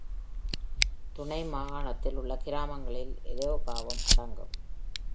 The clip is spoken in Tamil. துணை மாகாணத்தில் உள்ள கிராமங்களில் எலோகாவும் அடங்கும்.